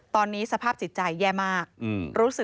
ก็ไม่รู้ว่าฟ้าจะระแวงพอพานหรือเปล่า